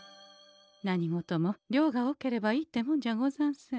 何事も量が多ければいいってもんじゃござんせん。